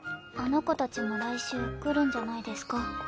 あの子たちも来週来るんじゃないですか？